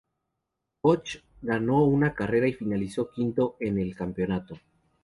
Busch ganó una carrera y finalizó quinto en el campeonato.